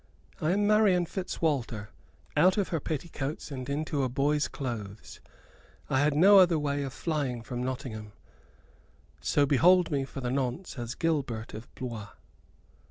I am Marian Fitzwalter out of her petticoats and into a boy's clothes. I had no other way of flying from Nottingham, so behold me for the nonce as Gilbert of Blois."